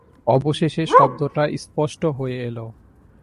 অবশেষে শব্দটা স্পষ্ট হয়ে এল।